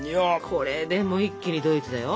これでもう一気にドイツだよ。